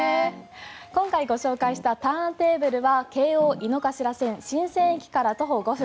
今回ご紹介したＴｕｒｎＴａｂｌｅは京王井の頭線神泉駅から徒歩５分